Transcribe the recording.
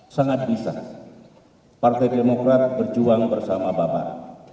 sangat bisa partai demokrat berjuang bersama bapak